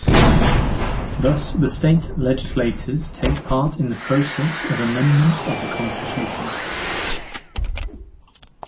Thus the State legislatures take part in the process of amendment of the Constitution.